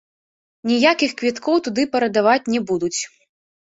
Ніякіх квіткоў туды прадаваць не будуць.